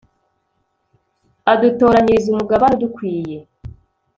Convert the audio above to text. adutoranyiriza umugabane udukwiye